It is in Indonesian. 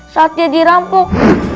saat dia dirampok